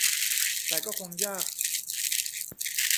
แต่ก็คงยาก